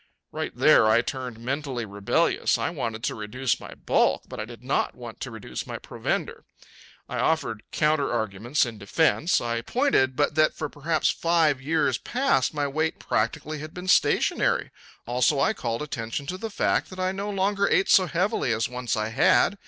Right there I turned mentally rebellious. I wanted to reduce my bulk, but I did not want to reduce my provender. I offered counter arguments in defense. I pointed but that for perhaps five years past my weight practically had been stationary. Also I called attention to the fact that I no longer ate so heavily as once I had.